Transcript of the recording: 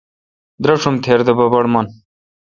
دراشوم تِر دہ بڑبڑ من۔